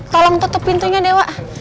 tolong tutup pintunya deh wak